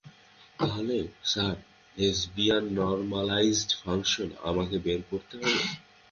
তাহলে sir Hessian normalised function আমাকে বের করতে হবে।